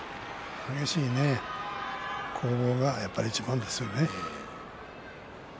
激しい攻防がいちばんですよね。